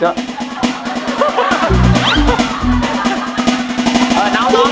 หาร้องหน่อย